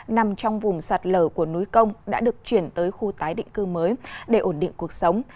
nằm trong vùng sạt lở của núi công đã được chuyển tới khu tái định cư mới để ổn định cuộc sống